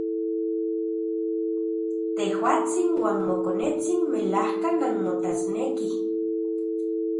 Tejuatsin uan mokonetsin melajka nanmotasnekij.